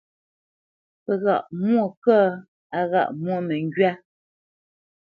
Pə́ ghâʼ mwô kə́, á ghâʼ mwô məŋgywá.